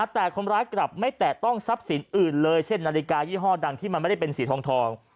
แต่คนร้ายกลับไม่แตะต้องทรัพย์สินอื่นเลยเช่นนาฬิกายี่ห้อดังที่มันไม่ได้เป็นสีทอง